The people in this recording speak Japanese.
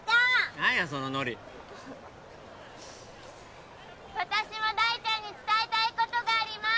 何やそのノリ私も大ちゃんに伝えたいことがあります！